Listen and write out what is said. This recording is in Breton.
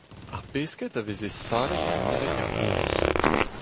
Ar pesked a veze sallet ha miret er bourzh.